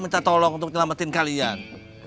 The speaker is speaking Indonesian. minta tolong untuk nyelamatin kalian